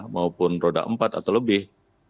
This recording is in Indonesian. maupun roda empat atau lebih